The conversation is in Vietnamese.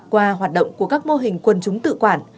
qua hoạt động của các mô hình quân chúng tự quản